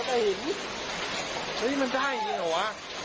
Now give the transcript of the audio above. มันได้จริงหรือเปล่า